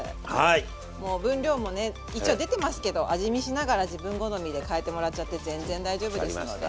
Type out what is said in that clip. もう分量もね一応出てますけど味見しながら自分好みで変えてもらっちゃって全然大丈夫ですのではい。